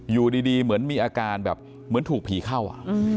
อยู่ดีเหมือนมีอาการแบบเหมือนถูกผีเข้า